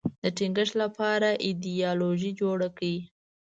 د ټینګښت لپاره ایدیالوژي جوړه کړي